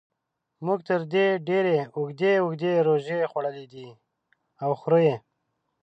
موږ تر دې ډېرې اوږدې اوږدې روژې خوړلې دي او خورو یې.